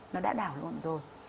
nó đã đảo lộn rồi